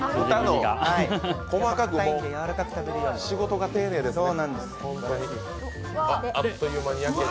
細かく、仕事が丁寧ですね。